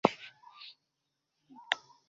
Akatumbukia katika utumiaji wa dawa za kulevya na